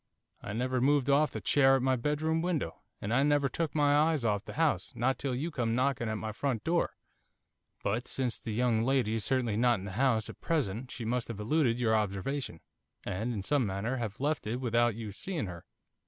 I never moved off the chair at my bedroom window, and I never took my eyes off the house, not till you come knocking at my front door.' 'But, since the young lady is certainly not in the house at present, she must have eluded your observation, and, in some manner, have left it without your seeing her.